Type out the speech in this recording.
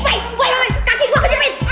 woi kaki gue kecipit